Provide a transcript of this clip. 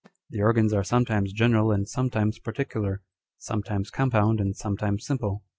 The organs are sometimes general and sometimes particular ; sometimes compound and sometimes simple.